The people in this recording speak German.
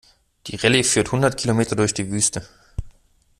Die Rallye führt hundert Kilometer durch die Wüste.